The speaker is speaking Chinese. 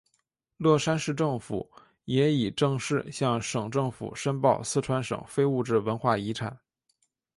乐山市政府也已正式向省政府申报四川省非物质文化遗产。